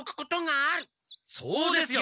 そうですよ。